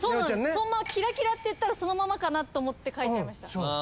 キラキラっていったらそのままかなと思って書いちゃいました。